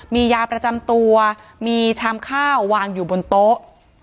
มียาประจำตัวมีชามข้าววางอยู่บนโต๊ะ